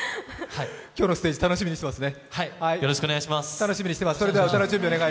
今日のステージを楽しみにしてますね。